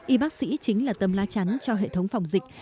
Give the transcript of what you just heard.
y bác sĩ chính là tấm lá chắn cho hệ thống phòng dịch